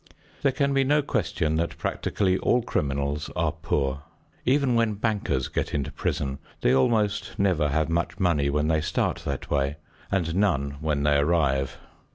There can be no question that practically all criminals are poor. Even when bankers get into prison they almost never have much money when they start that way, and none when they arrive.